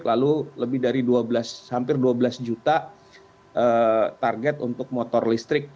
lalu lebih dari hampir dua belas juta target untuk motor listrik